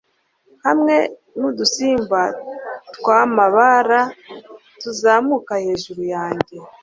hamwe n'udusimba twamabara tuzamuka hejuru yanjye